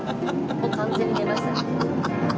もう完全に寝ましたね。